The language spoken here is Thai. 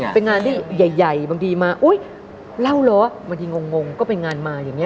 เป็นงานที่ใหญ่บางทีมาแล้วหรอบางทีงงก็เป็นงานมา